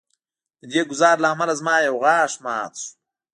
د دې ګزار له امله زما یو غاښ مات شو